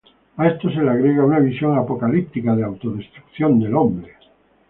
A esto se le agrega una visión apocalíptica de autodestrucción del hombre.